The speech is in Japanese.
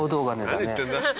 何言ってんだ！